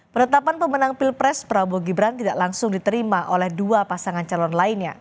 penetapan pemenang pilpres prabowo gibran tidak langsung diterima oleh dua pasangan calon lainnya